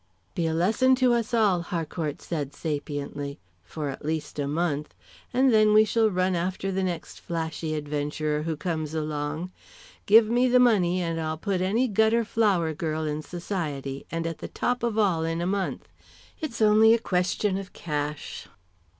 "Be a lesson to us all," Harcourt said sapiently, "for at least a month. And then we shall run after the next flashy adventurer who comes along. Give me the money, and I'll put any gutter flower girl in society, and at the top of all in a month. It's only a question of cash."